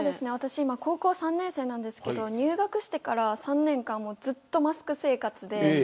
高校３年生なんですけど入学してから３年間ずっとマスク生活で。